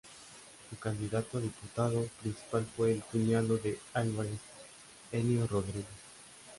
Su candidato a diputado principal fue el cuñado de Álvarez, Ennio Rodríguez.